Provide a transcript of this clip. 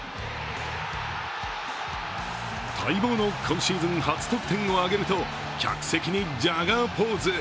待望の今シーズン初得点を挙げると、客席にジャガーポーズ。